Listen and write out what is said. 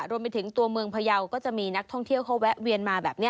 รวมไปถึงตัวเมืองพยาวก็จะมีนักท่องเที่ยวเขาแวะเวียนมาแบบนี้